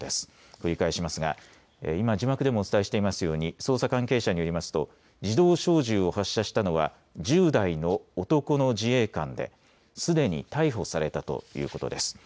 繰り返しますが、今字幕でもお伝えしていますように捜査関係者によりますと自動小銃を発射したのは１０代の男の自衛官ですでに逮捕されたということです。